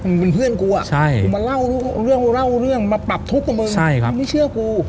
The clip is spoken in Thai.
มึงเป็นเพื่อนกูอะมาเล่าเรื่องมาปรับทุกข์กับมึงมึงไม่เชื่อกู